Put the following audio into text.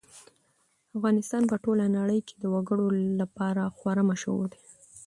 افغانستان په ټوله نړۍ کې د وګړي لپاره خورا مشهور دی.